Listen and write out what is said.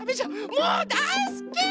もうだいすき！